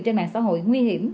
trên mạng xã hội nguy hiểm